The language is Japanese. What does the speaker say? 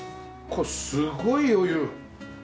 これすごい余裕。